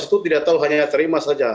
itu tidak tahu hanya terima saja